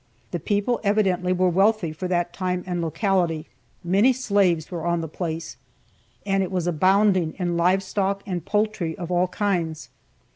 The people evidently were wealthy for that time and locality, many slaves were on the place, and it was abounding in live stock and poultry of all kinds.